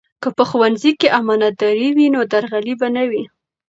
که په ښوونځي کې امانتداري وي نو درغلي به نه وي.